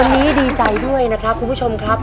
วันนี้ดีใจด้วยนะครับคุณผู้ชมครับ